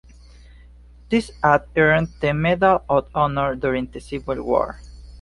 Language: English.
This act earned the Medal of Honor during the Civil War.